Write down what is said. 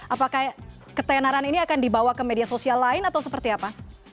apakah ketenaran ini akan dibawa ke media sosial lain atau seperti apa